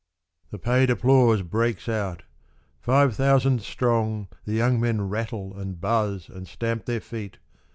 11 The paid applause breaks out. Five thousand strong The young men rattle, and buzz, and stamp their feet.